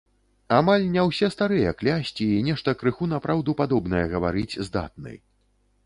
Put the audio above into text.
Амаль не ўсе старыя клясці і нешта крыху на праўду падобнае гаварыць здатны.